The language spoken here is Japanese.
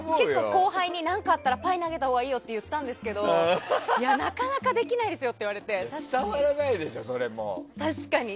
後輩に、何かあったらパイ投げたほうがいいよって言ったんですけどなかなかできないですよって言われて、確かに。